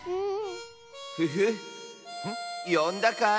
フフよんだかい？